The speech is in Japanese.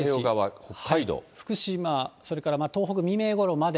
福島、それから、東北、未明ごろまで。